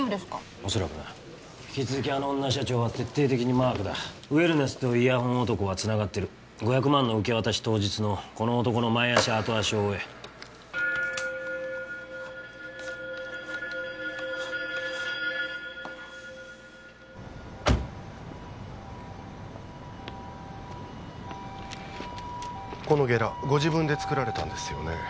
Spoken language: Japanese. おそらくな引き続きあの女社長は徹底的にマークだウェルネスとイヤホン男はつながってる５００万の受け渡し当日のこの男の前足後足を追えこのゲラご自分で作られたんですよね？